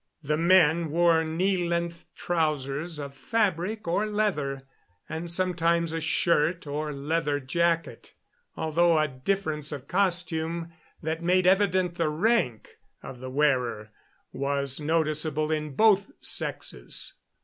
The men wore knee length trousers of fabric or leather, and sometimes a shirt or leather jacket, although a difference of costume that made evident the rank of the wearer was noticeable in both sexes.